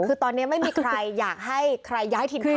คือตอนนี้ไม่มีใครอยากให้ใครย้ายถิ่นฐาน